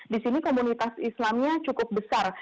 di sini komunitas islamnya cukup besar